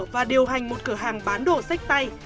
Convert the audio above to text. và điều hành một cửa hàng bán đồ sách tay